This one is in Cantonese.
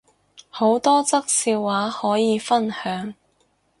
好多則笑話可以分享